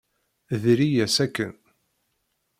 Diri-yas akken.